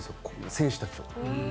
選手たちを。